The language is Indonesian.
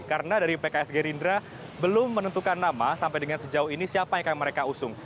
karena dari pks gerindra belum menentukan nama sampai dengan sejauh ini siapa yang akan mereka usung